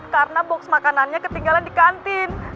karena box makanannya ketinggalan di kantin